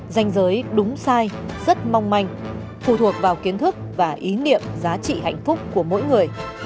danh giới đúng sai rất mong manh phụ thuộc vào kiến thức và ý niệm giá trị hạnh phúc của mỗi người